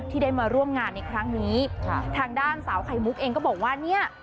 ที่ได้มาร่วมงานในครั้งนี้ค่ะทางด้านสาวไข่มุกเองก็บอกว่าเนี่ย